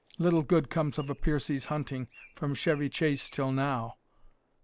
Little good comes of a Piercie's hunting, from Chevy Chase till now."